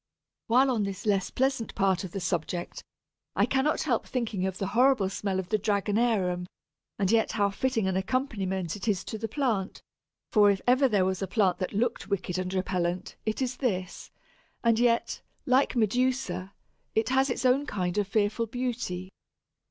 While on this less pleasant part of the subject, I cannot help thinking of the horrible smell of the Dragon Arum; and yet how fitting an accompaniment it is to the plant, for if ever there was a plant that looked wicked and repellent, it is this; and yet, like Medusa, it has its own kind of fearful beauty.